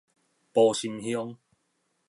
埔心鄉